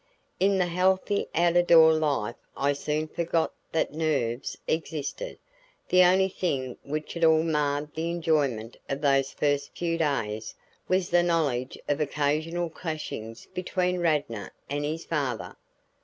In the healthy out of door life I soon forgot that nerves existed. The only thing which at all marred the enjoyment of those first few days was the knowledge of occasional clashings between Radnor and his father.